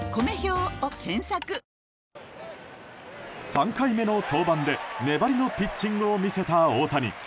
３回目の登板で粘りのピッチングを見せた大谷。